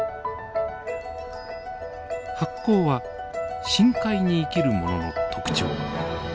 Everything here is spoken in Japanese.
発光は深海に生きるものの特徴。